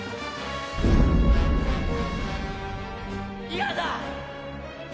嫌だ！